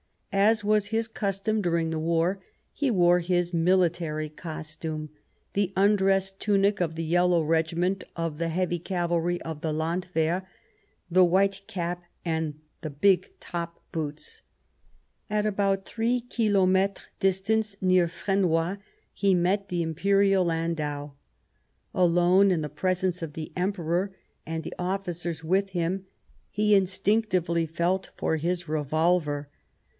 As was his custom during the war, he wore his military costume — the undress tunic of the Yellow Regiment of the Heavy Cavalry of the Landwehr, the white cap, and the big top boots. At about three kilometres distance, near Frenois, he met the Imperial landau. Alone in the pre sence of the Emperor and the ofticers with him, he instinctively felt for his revolver.